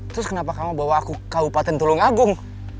terus kenapa kamu bawa aku ke kabupaten tulungagung